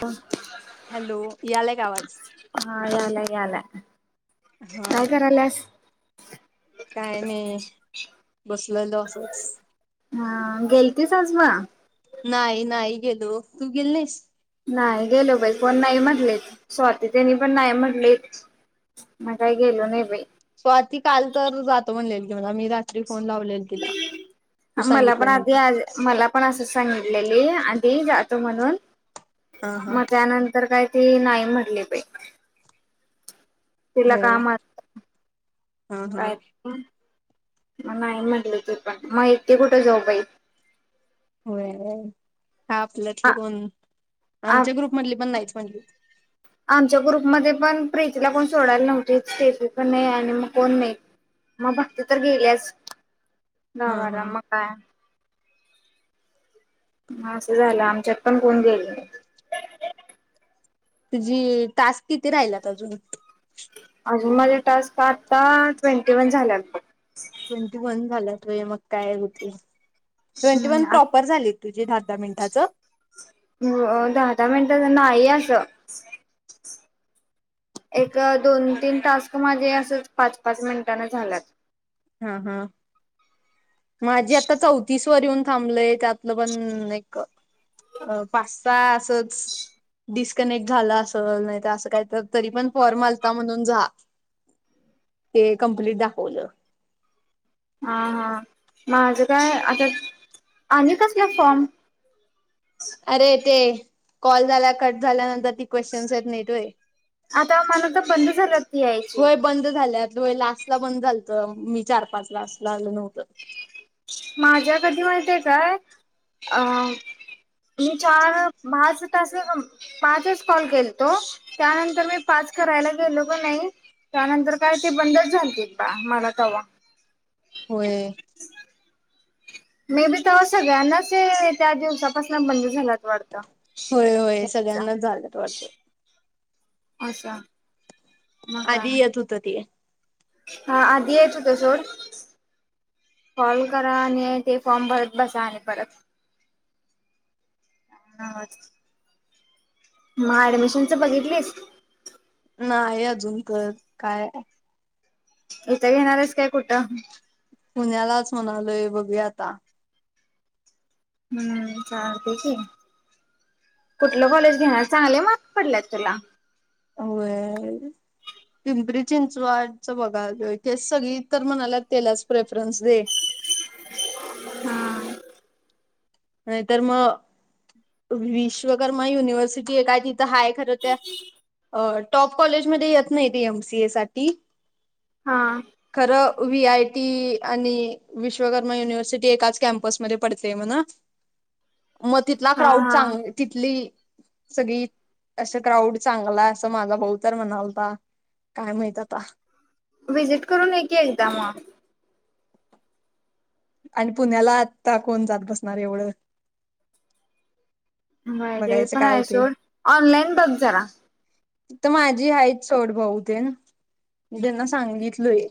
ह. हॅलो इयाले का आवाज. हा याला याला. हा. काय नाही. बसलेलं असंच. हा गेलतीस आज बाळा. नाही नाही गेलो तू गेली नाहीस. नाय गेलो बाई कोण नाई म्हटले स्वाती ताई नी पण नाई म्हटले. म काय गेलो नाई बाई. स्वाती काल तर जातो म्हणलेली की मला मी रात्री फोन लावलेल. तीला तू मला पण आधी सांगितल्यानंतर. आज मला पण असं सांगितलेली आधी जातो म्हणून, हा हा म जाणुन तर काय ती नाय म्हटली बाई. तिला होय कामात हा हा काय म नाई म्हटली ती पण म एकटी कुठ जाऊ बाई. होय होय आ आपल्यातली कोण आ आमच्या ग्रुप मधली पण नाईच म्हटली. आमच्या ग्रुपमध्ये पण प्रीतीला कोण सोडायला नव्हतीच प्रिती पण नाई आणि म कोण नाई. म बघते तर गेल्याच हा गावाला हा म काय. म असं झालं आमच्यात पण कोण गेल नई. तुझी टास्क किती राहिल्यात अजून. अजून माझे टास्क आता ट्वेंटी वन झाल्यात बघ. ट्वेंटी वन झाल्यात व्हय, मग काय होतील. ट्वेंटी वन हम्म प्रॉपर झालीत तुझी दहा दहा मिनटाचं. अ अ दहा दहा मिनटाचं नाई असं. एक दोन तीन टास्क माझे असंच पाच पाच मिनटांन झाल्यात. ह ह माझी आता चौतीस वर येऊन थांबलय त्यातलं पण एक पाच सहा असंच डिस्कनेक्ट झाला असंल नाई त असं काई तर तरी पण फॉर्म आल्ता म्हणून जा. ते कंप्लीट दाखवलं. हा हा माझं काय आता, आणि कसलं फॉर्म. अरे ते, कॉल झाला कट झाल्यानंतर ती क्वेश्चन्स आहेत नाहीत व्हय आता मला त बंद झाला ते यायचे. होय बंद झाल्यात व्हय लास्ट ला बंद झाल्तं, मी चार पाच लास्ट ला आलं नव्हतं. माझ्या कधी माईतीये काय अ मी चार भाज तास हम पाचच कॉल केल्तो त्यानंतर मी पाच करायला गेलो का नई. त्यानंतर काय ते बंदच झालतीत बा मला तवा होय. मे बी तवा सगळ्यांनाच ए त्या दिवसापासून बंद झाल्यात वाटतं. होय होय सगळ्यांनाच झाल्यात वाटतं. असं आ आधी येत होतं ते, हा आधी येत होतं सोड कॉल करा आणि ए ते फॉर्म भरत बसा आणि परत हा म ऍडमिशन चं बघितलीस नाय अजून कळत काय इथं येणारायस काय कुठं? पुण्यालाच म्हणालोय बघूया आता हम्म चालतंय की, कुठलं कॉलेज घेणार चांगले मार्क पडलेत तुला. होय. पिंपरी चिंचवडचं बघायच. ते सगळी तर म्हणलेत तेलाच प्रेफरन्स दे. हा नाहीतर म, विश्वकर्मा युनिव्हर्सिटीये काय ति थ हाय खर त्या, अ टॉप कॉलेजमध्ये येत नाही ती एम सी ए साठी. हां. खरं व्ही आय टी आणि विश्वकर्मा युनिव्हर्सिटी एकाच कॅम्पसमध्ये पडतेय म्हण. म तिथला हा क्राउड हा चांग तिथली सगळी, असं क्राऊड चांगला असं माझा भाऊ तर म्हणालता. काय माहित आता. व्हिजिट करून ये की एकदा म. आणि पुण्याला आता कोण जात बसणार एवढं. माहि बघायचं तेपण काय आहे होते सोड. ऑनलाईन बघ जरा. तीथ माझी हायत सोड भाऊते. मी त्यांना सांगितलोय.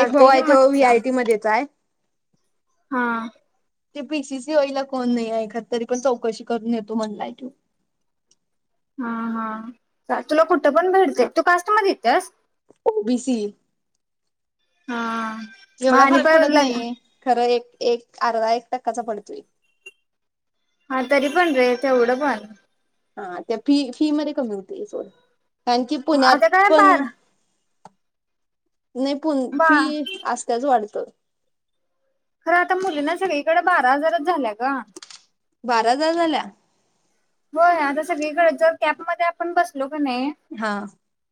एक भाऊ की आहे. मग तो व्ही आय सांग. टी मध्येच हाय. हा. ते पी सी सी वईला कोण नाही हाय एखाद. तरी पण चौकशी करून येतो म्हणलाय त्यो. हा-हा तुला कुठं पण भेटते. तू कास्ट मध्ये येतेस? O B C. हा. मग एवढा आणि फरक पण पडत लग नाही. खरं एक-एक अर्धा एक टक्काचा पडतोय. हा, तरी पण रे. तेवढं पण हा, त्या फी-फी मध्ये कमी होतेय सोड. कारण की, पुण्यात आता काय पण बार नाही. पण, बा फी असत्याच वाढतं. खरं आता मुलींना सगळीकडे बारा हजारच झाल्या ग. बारा हजार झाल्या? होय, आता सगळीकडे जर कॅबमध्ये आपण बसलो का नाय. हा.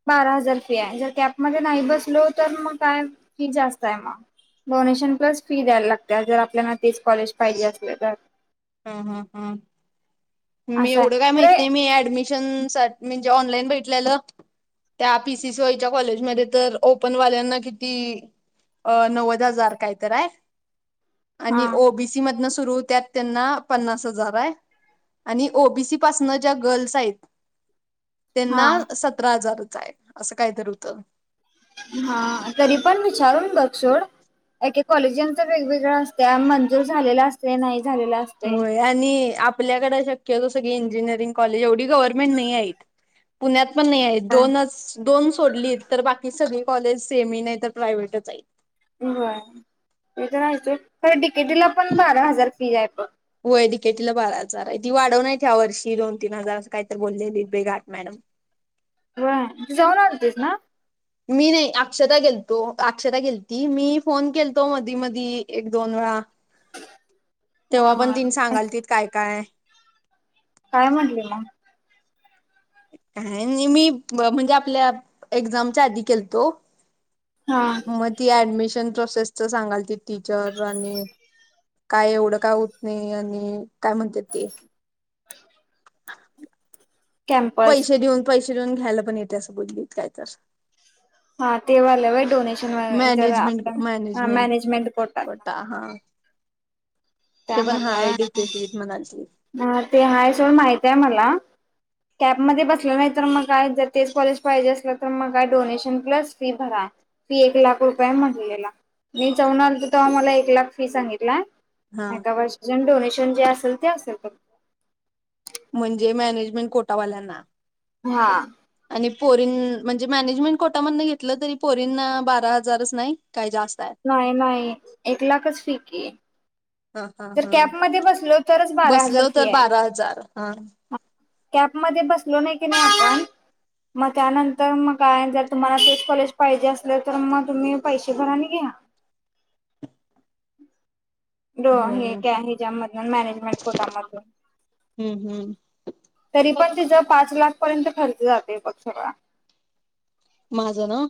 बारा हजार फी हाय. जर कॅपमध्ये नाही बसलो तर मग काय, फी जास्तय मग. डोनेशन प्लस फी द्यायला लागते. जर आपल्याना तेच कॉलेज पाहिजे असले तर. ह, ह, ह. मी असं आहे एवढं काय खरे माहित नाही. मी ऍडमि शन सा म्हणजे ऑनलाईन भेटलेल. त्या पी सी सी वाईच्या कॉलेजमध्ये तर, ओपन वाल्यांना किती अ नव्वद हजार काय तर हाय. हा आणि ओ बी सी मधन सुरू होत्यात त्यांना पन्नास हजारय. आणि ओ बी सी पासनं ज्या गर्ल्स आहेत. त्यांना हा सतरा हजाररच हाय. असं काहीतरी होतं. हा, तरी पण विचारून बघ सोड. काही-काही कॉलेजांच वेगवेगळ असतया. मंजूर झालेला असते. नाही झालेला अस होय, आणि आपल्याकडे शक्यतो सगळी इंजिनिअरिंग कॉलेज, एवढी गव्हर्नमेंट नाही आहेत. पुण्यात पण नाही आहे. दोनच दोन सोडली, तर बाकी सगळी कॉलेज सेमी नाही तर प्रायव्हेटच आहे. व्हय ते तर हायेतचं. खरं डी के टीला पण बारा हजार फी आहे बघ. होय डी के टी ला बारा हजार आहे. ती वाढवनायत ह्या वर्षी दोन-तीन हजार असं काहीतरी बोललेली ती घाट मॅडम. व्हय, तू जाऊन आलतीस ना. मी नाही अक्षता गेलतो. अक्षता गेलती. मी फोन केलतो मधी-मधी एक-दोन वेळा. तेव्हा हा पण तिनं हा सांगाल त काय-काय काय म्हटले मग,? काय नाय मी म्हणजे आपल्या एक्झामच्या आधी गेलतो. हा मग ती ऍडमिशन प्रोसेसचं सांगाल ती टीचर आणि काय एवढं काय होत नाही आणि काय म्हणतात ते कॅम्पस पैसे देऊन पैसे देऊन घ्यायला पण येते असं बोललीत काय तर हा ते वाल्या व्हय डोनेशन जरा मॅनेजमेंट आपल्या मॅनेजमेंट करतात. ता हा. ते पण हा त्यामधलं आय डी व्हय केटत म्हणाली. हा ते आहे ते सो माहती आहे मला कॅम्पमध्ये बसलं नाही तर मग काय जर तेच कॉलेज पाहिजे असलं तर मग काय डोनेशन प्लस फी भरा फी एक लाख रुपये म्हटलेला. मी जाऊन आलतो तेव्हा मला एक लाख फी सांगितला हा एका वर्षाच्या डोनेशन जे असेल ते असेल बघ म्हणजे, मॅनेजमेंट कोटावाल्यांना हा. आणि पोरीन म्हणजे मॅनेजमेंट कोटा मधनं घेतलं तरी पोरीन बारा हजारच नाही काही जास्त आहे. नाही नाही एक लाखच फी कि. हा हा जर हा कॅब मध्ये बसलो तरच बारा हजार बसलो फी तर आहे. बारा हजार हा. कॅब मध्ये बसलो नाही कि नाही आपण मग त्यानंतर मग काय जर तुम्हाला तेचं कॉलेज पाहिजे असलं तर मग तुम्ही पैसे भराने घ्या. र होय हे काय हच्यामधून मॅनेजमेंट कोटामधून. हम्म हम्म तरी पण तिचा पाच लाख पर्यंत खर्च जाते प सगळा. माझं ना?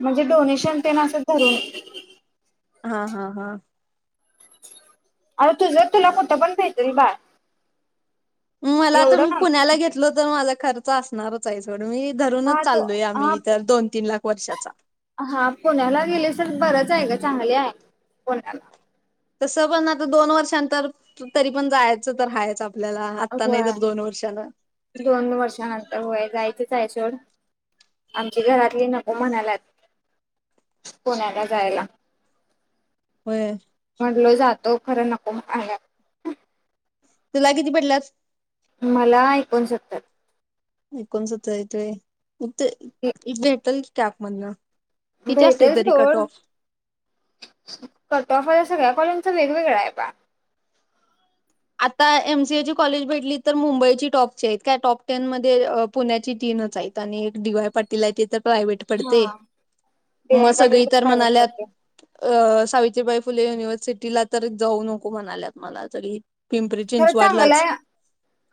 म्हणजे डोनेशन ते म असं धरून. हा हा हा. आवं तुझं तुला कुठं पण भेटेल बाय. मला आता मी पुण्याला घेतल तर मला खर्चअसणार चं. ते सोडून मी धरूनच हा तो चालोय हा आम्ही तर दोन तीन लाख वर्षाचा. हा पुण्याला गेले तर बरंच आहे का चांगले आहे पुण्याला. तसं पण आता दोन वर्षांंतर तरी पण जायचं तर राहायचं आपल्याला. आत्ता नाही होय तर दोन वर्षाला दोन वर्षानंतर होय जायचंच आहे सोड. आमची घरातली नको म्हनायले. पुण्याला जायला. होय. म्हटलो जातो खरं नको म्हणायल. तुला किती पडलंस? मला ऐकुनसत्तर शकतात. ऐकुनसत्तर येतं व्हय इथं भेटल कॅप ला. भेटल सोड. कट ऑफ सगळ्या कॉलेजच वेगवेगळं आहे बा. आता एम सी ए ची कॉलेज भेटली तर मुंबईची टॉपची आहेत काय टॉप टेन मध्ये पुण्याची तीनच आहेत. आणि एक डी वाय पा तिला त तर प्रायव्हेट पडते हा. डी मग वाय पाटील सगळी तर प्रायव्हेट म्हणाल्यात. पडते अं सावित्रीबाई फुले युनिव्हर्सिटीला तरं जाऊं नको म्हणांल्यात मलां तरी पिंपरी खरं चांगलं चिंचवाडलाच आहे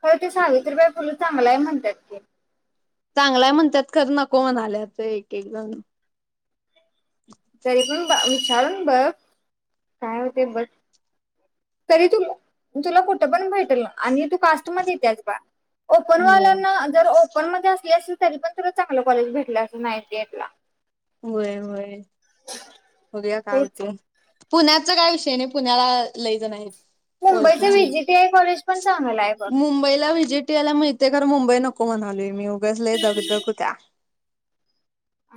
खरं ते सावित्रीबा फुलं चांगला आहे म्हणतांत की चांगलाय म्हणतांत खरं नको म्हणांल्याच एक एक जणं तरी पणं विचारूंन बघं कायं होते बसं तरी तु तुलां कुठं पणं भेटल आणि तूं कांस्ट मध्यें त्याचं बां होय ओपनवाल्यांना जरं ओपन मध्यें असली असलं तरी पणं तुलां चांगलं कॉलेज भेटलं असं नाईटि एट माहितीला होयं होयं बघूंया कायं तेच होते पुण्यांचा कांय विषय नाहीं पुण्यांला लैजण आहेतं मुंबईचं ओळखीची व्हीजीटीआय कॉलेज पण चांगलं आहे बघ. मुंबईला विजिट टी त्यांला मीळतेय कारणं मुंबई नको म्हणालोय मी उगांस लै दंग दंग त्यांया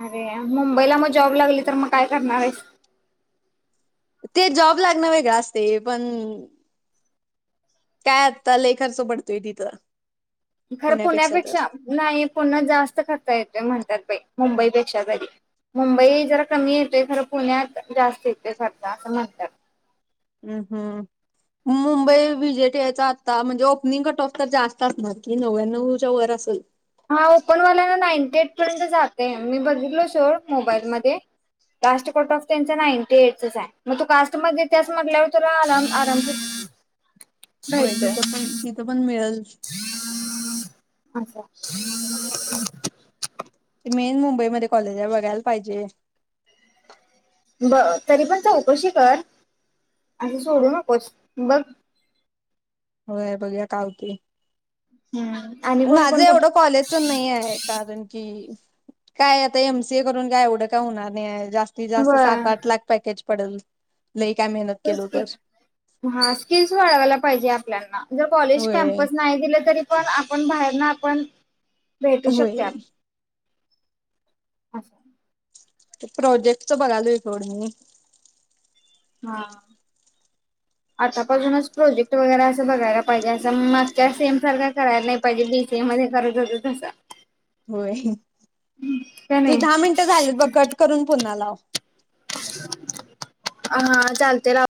अरे मुंबईला मंग जॉब लागली तरं मंग कायं करणारं आहेस ते जॉब लागणं वेगळं असतंय पणं कायं आंता लंय खर्च पडतोय तिथं खरं पुण्यापेक्षा तर पुण्यांपेक्षा नाहीं पुण्यांत जास्तं खर्च येतोय म्हणतांत बाई मुंबईपेक्षा तरी मुंबई जरां कमी येते खरं पुण्यांत जास्तं येतं खर्च असं म्हणतांत हम्मं हम्मं मुंबई वि्हजेट यांच्यात आंत्ता म्हणजे ओपनिंग कंट ऑफ तरं जास्तं असणारं की नव्याण्णव त्यां वरं असेल हां ओपनवांल्या नां नाईंटी एटं पर्यंत जाते मी बघितलो सोर मोबाईल मध्यें लांस्ट कोर्ट ऑफ त्यांच नाईंटी एटंच आहे मगं तूं कांस्ट मध्यें त्यांस म्हटल्यांवर तुलां आराम आराम होयं तिथं पणं तिथं पणं मिळेल हम्मं हम्मं असं ते मेन मुंबईमध्यें कॉलेज आहे बघांयला पाहिजे बरं तरी पणं चौकशी करं आणि सोडूं नकोसं बघं होयं बघूंया कांवती हम्मं माझं एवढं कॉलेजचं नाहीं आहे कारणं की कायं आंता एमसीए करूंन कायं एवढं कायं होणारं नाहीं जास्तं जास्तं व्हय सात आंठ लांख पॅकेज पडेल लंय कायं मेहनत केलं तरं हां स्किल्स वाढवांयला पाहिजे आपल्यांना जरं कॉलेज होय कॅम्पस नाहीं दिलं तरी पणं आपणं बाहेर नां आपणं भेटूं होय शकत्यांत असं प्रोजेक्टच बघांलोय नोट मी हां [inaudible] [unintelligible] आंतापासूनचं प्रोजेक्ट वगैरें असं बघांयला पाहिजे असंग मागच्या सेम सारखं करांयला नाहीं पाहिजे बीसीए मध्यें करतं होतं तसं होयं का तूं नाही दहा मिनटं झालीत बघं कंट करूंन पुन्हां लांव हां चालते रहां